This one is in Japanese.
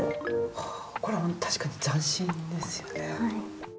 ほうこれは確かに斬新ですよね。